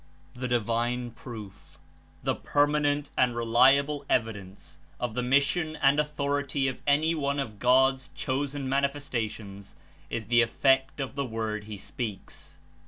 The divine proof, the permanent and reliable evi dence of the mission and authority of any one of God's Chosen Manifestations is the effect of the Word he speaks.